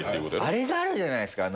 あれがあるじゃないですか。